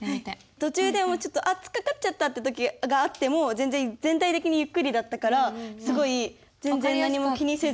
途中で「あつっかかっちゃった」って時があっても全然全体的にゆっくりだったからすごい全然何も気にせず。